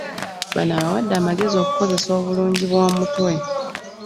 Bano abawadde amagezi okukozesa obulungi obw'omutwe